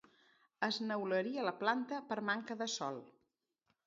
Es neularia la planta per manca de sol.